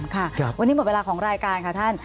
ค่ะวันนี้หมดเวลาของรายการค่ะท่าน